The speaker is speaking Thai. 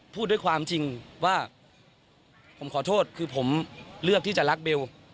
พูดด้วยความจริงว่าผมขอโทษคือผมเลือกที่จะรักเบล